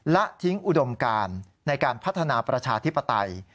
และทิ้งอุดมการในการพัฒนาประชาธิปไตย